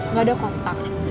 gak ada kotak